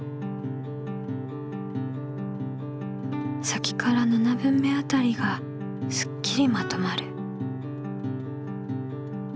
先から７分目あたりがすっきりまとまる。